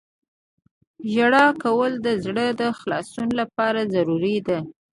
• ژړا کول د زړه د خلاصون لپاره ضروري ده.